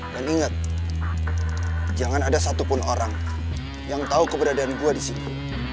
dan inget jangan ada satupun orang yang tahu keberadaan gue disini